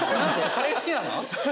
カレー好きなの？